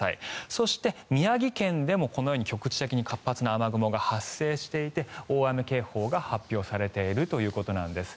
そして、宮城県でもこのように局地的に活発な雨雲が発生していて大雨警報が発表されているということなんです。